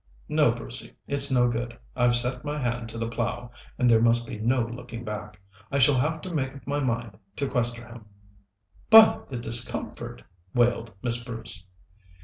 "No, Brucey, it's no good. I've set my hand to the plough, and there must be no looking back. I shall have to make up my mind to Questerham." "But the discomfort!" wailed Miss Bruce.